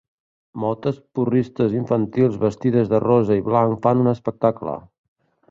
Moltes porristes infantils vestides de rosa i blanc fan un espectacle.